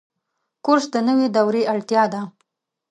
کورس د نوي دورې اړتیا ده.